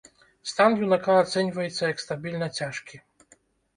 Стан юнака ацэньваецца як стабільна цяжкі.